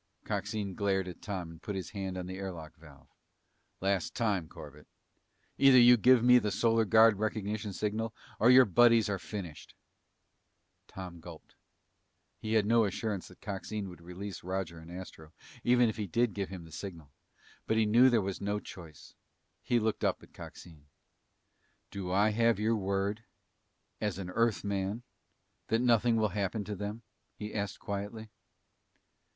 Coxine glared at Tom and put his hand on the air lock valve. "Last time, Corbett. Either you give me the Solar Guard recognition signal, or your buddies are finished!" Tom gulped. He had no assurance that Coxine would release Roger and Astro, even if he did give him the signal. But he knew there was no choice. He looked up at Coxine. "Do I have your word as an Earthman that nothing will happen to them?" he asked quietly.